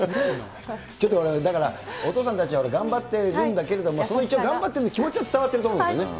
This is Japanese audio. ちょっと、だから、お父さんたちは頑張ってるんだけれども、一応、頑張っているという気持ちは伝わってると思うんですよね。